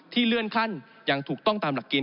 เลื่อนขั้นอย่างถูกต้องตามหลักเกณ